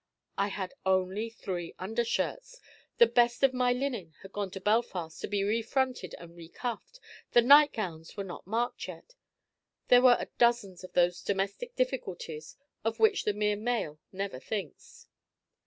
I had only three under shirts, the best of my linen had gone to Belfast to be refronted and recuffed, the night gowns were not marked yet there were a dozen of those domestic difficulties of which the mere male never thinks.